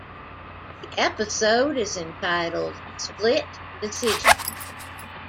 The episode is entitled "Split Decision".